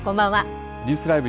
ニュースＬＩＶＥ！